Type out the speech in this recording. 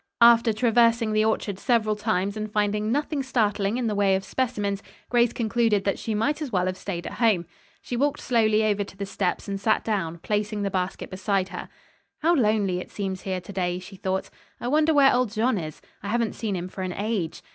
After traversing the orchard several times and finding nothing startling in the way of specimens, Grace concluded that she might as well have stayed at home. She walked slowly over to the steps and sat down, placing the basket beside her. "How lonely it seems here to day," she thought. "I wonder where old Jean is? I haven't seen him for an age."